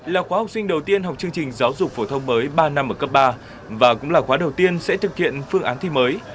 là khóa học sinh đầu tiên học chương trình giáo dục phổ thông mới ba năm ở cấp ba và cũng là khóa đầu tiên sẽ thực hiện phương án thi mới